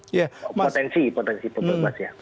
potensi bubble brush ya